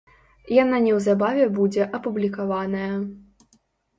Яна неўзабаве будзе апублікаваная.